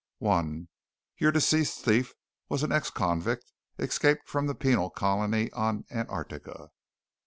"One. Your deceased thief was an ex convict, escaped from the penal colony on Antarctica."